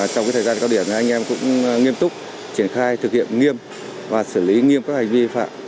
trong thời gian cao điểm anh em cũng nghiêm túc triển khai thực hiện nghiêm và xử lý nghiêm các hành vi vi phạm